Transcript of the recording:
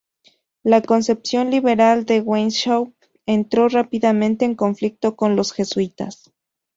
La concepción liberal de Weishaupt entró rápidamente en conflicto con los jesuitas.